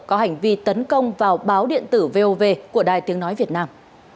có hành vi tấn công vào báo điện tử vov của đài tiếng nói việt nam